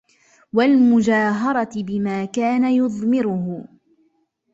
وَالْمُجَاهَرَةِ بِمَا كَانَ يُضْمِرُهُ